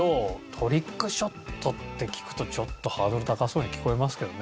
トリックショットって聞くとちょっとハードル高そうに聞こえますけどね。